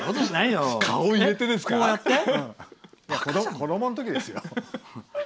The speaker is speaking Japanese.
子どものときですよ。